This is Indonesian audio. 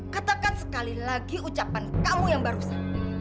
katakan sekali lagi ucapan kamu yang baru saja